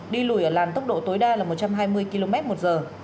đi lùi ở làn tốc độ tối đa là một trăm hai mươi km một giờ